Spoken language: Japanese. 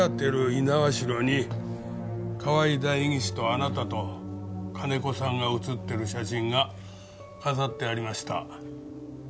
猪苗代に河合代議士とあなたと金子さんが写ってる写真が飾ってありました。